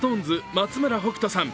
・松村北斗さん